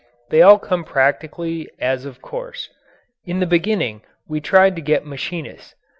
They all come practically as of course. In the beginning we tried to get machinists.